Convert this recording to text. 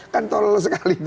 kan tol sekali itu